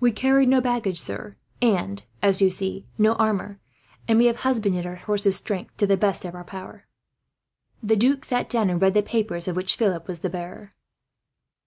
"We carried no baggage, sir and, as you see, no armour; and we have husbanded our horses' strength, to the best of our power." The duke sat down, and read the papers of which Philip was the bearer.